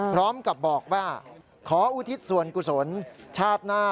พร้อมกับบอกว่าขออุทิศส่วนกุศลชาติหน้า